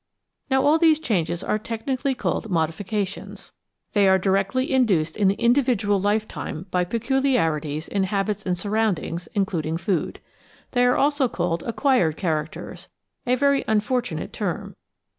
Now all these changes are technically called ^^modifications" ; S74 The Outline of Science they are directly induced in the mdividtial lifetime by peculiarities, in habits and surroundings, including food. They are also called "acquired characters" — a very unfortunate term.